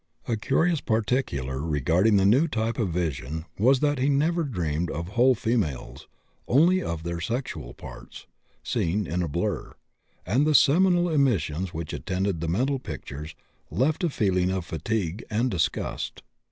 A curious particular regarding the new type of vision was that he never dreamed of whole females, only of their sexual parts, seen in a blur; and the seminal emissions which attended the mental pictures left a feeling of fatigue and disgust.